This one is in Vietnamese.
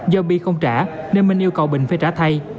do bi không trả nên minh yêu cầu bình phải trả thay